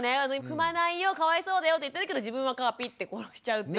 「踏まないよかわいそうだよ」って言ってるけど自分は蚊はピッて殺しちゃうっていうね。